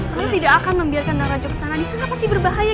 kamu tidak akan membiarkan dara jo ke sana disana pasti berbahaya